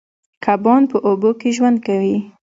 کبان په اوبو کې ژوند کوي.